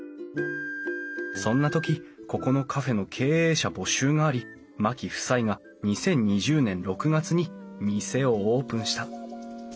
そんな時ここのカフェの経営者募集があり牧夫妻が２０２０年６月に店をオープンした。